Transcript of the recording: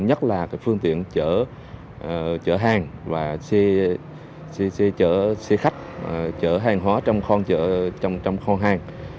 nhất là phương tiện chở hàng xe khách chở hàng hóa trong kho hàng